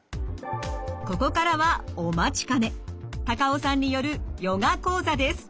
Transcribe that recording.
ここからはお待ちかね高尾さんによるヨガ講座です。